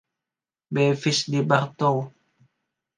Bevis di Bartow.